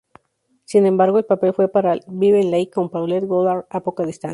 Sin embargo, el papel fue para Vivien Leigh, con Paulette Goddard a poca distancia.